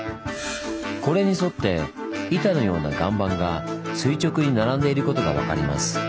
これに沿って板のような岩盤が垂直に並んでいることが分かります。